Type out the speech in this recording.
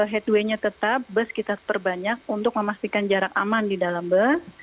headway nya tetap bus kita perbanyak untuk memastikan jarak aman di dalam bus